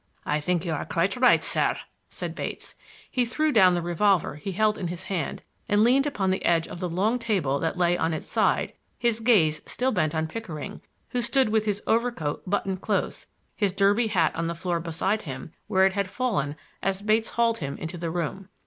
"I think you are quite right, sir," said Bates. He threw down the revolver he held in his hand and leaned upon the edge of the long table that lay on its side, his gaze still bent on Pickering, who stood with his overcoat buttoned close, his derby hat on the floor beside him, where it had fallen as Bates hauled him into the room.